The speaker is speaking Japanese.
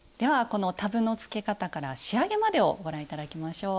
このタブのつけ方から仕上げまでをご覧頂きましょう。